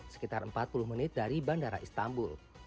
sekitar empat puluh menit dari bandara istanbul